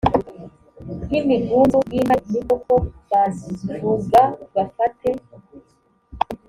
nk imigunzu y intare ni koko baz vuga bafate